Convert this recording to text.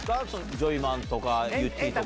ジョイマンとかゆってぃとか。